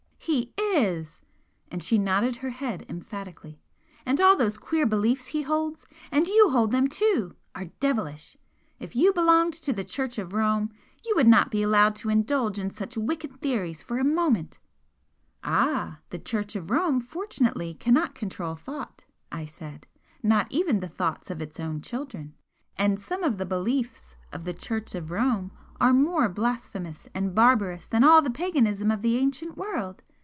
"He is!" And she nodded her head emphatically "And all those queer beliefs he holds and you hold them too! are devilish! If you belonged to the Church of Rome, you would not be allowed to indulge in such wicked theories for a moment." "Ah! The Church of Rome fortunately cannot control thought!" I said "Not even the thoughts of its own children! And some of the beliefs of the Church of Rome are more blasphemous and barbarous than all the paganism of the ancient world!